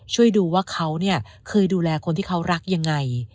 ช่วยดูว่าเขาเนี่ยเคยดูแลคนที่เขารักยังไง